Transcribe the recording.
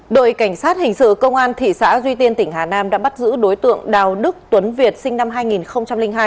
đội cảnh sát hình sự công an thị xã duy tiên tỉnh hà nam đã bắt giữ đối tượng đào đức tuấn việt sinh năm hai nghìn hai